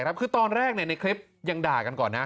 คือตอนแรกในคลิปยังด่ากันก่อนนะ